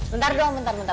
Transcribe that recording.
bentar dong bentar bentar